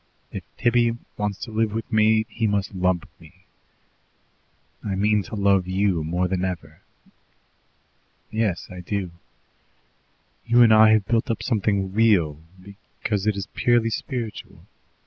If Tibby wants to live with me, he must lump me. I mean to love YOU more than ever. Yes, I do. You and I have built up something real, because it is purely spiritual.